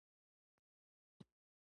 ملک صاحب کیسه کوله: یوه کوټه لرم.